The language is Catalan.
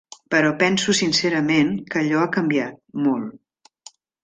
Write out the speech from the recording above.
Però penso sincerament que allò ha canviat, molt.